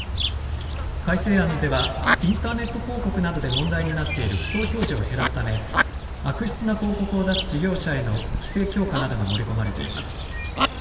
改正案ではインターネット広告などで問題になっている不当表示を減らすため悪質な広告を出す事業者への規制強化などが盛り込まれています。